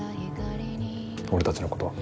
俺たちの事は。